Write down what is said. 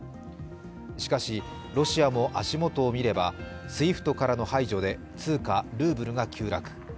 しかし、ロシアも足元を見ればＳＷＩＦＴからの排除で通貨ルーブルが急落。